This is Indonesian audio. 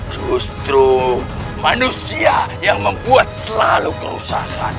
justru manusia yang membuat selalu kerusakan